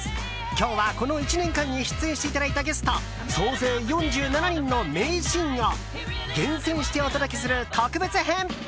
今日は、この１年間に出演していただいたゲスト総勢４７人の名シーンを厳選してお届けする特別編。